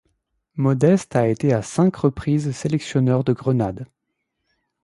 Modeste a été à cinq reprises sélectionneur de Grenade.